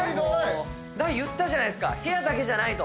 言ったじゃないですか部屋だけじゃないと。